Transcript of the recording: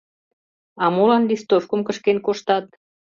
— А молан листовкым кышкен коштат?